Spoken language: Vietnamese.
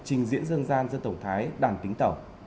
trình diễn dân gian dân tộc thái đàn tính tẩu